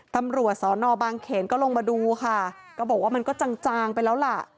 ตำรวจสอนอบางเขนก็ลงมาดูค่ะก็บอกว่ามันก็จางจางไปแล้วล่ะ